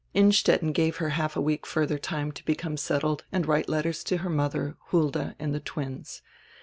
Innstetten gave her half a week further time to hecome settled and write letters to her mother, Hulda, and the twins.